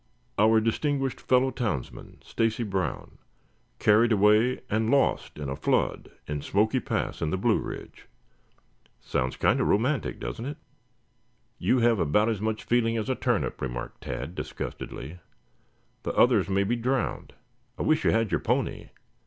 'Our distinguished fellow townsman, Stacy Brown, carried away and lost in a flood in Smoky Pass in the Blue Ridge.' Sounds kind of romantic, doesn't it?" "You have about as much feeling as a turnip," remarked Tad disgustedly. "The others may be drowned. I wish you had your pony.